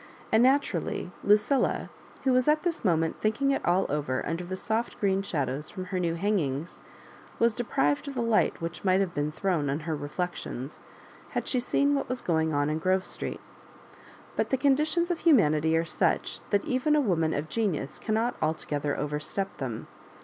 And naturally Lucilla^ who was at this moment thinking it all over under the soft 'green shadows from her new hangings, was de prived of the light which might have been thrown on her reflections, had she seen what was going on in Grove Street. But the conditions of humanity are such that even a woman of genius cannot altogether over step them.